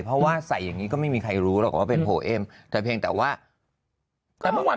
เพราะว่าใส่อย่างนี้ก็ไม่มีใครรู้หรอกว่าเป็นโพลเอ็มแต่เพียงแต่ว่าแต่เมื่อวาน